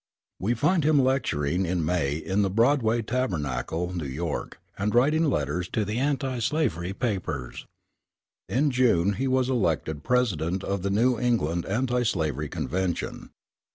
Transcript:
We find him lecturing in May in the Broadway Tabernacle, New York, and writing letters to the anti slavery papers. In June he was elected president of the New England Anti slavery Convention.